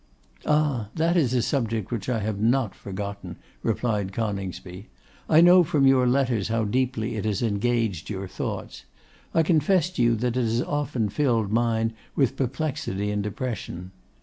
'Ah! that is a subject which I have not forgotten,' replied Coningsby. 'I know from your letters how deeply it has engaged your thoughts. I confess to you that it has often filled mine with perplexity and depression.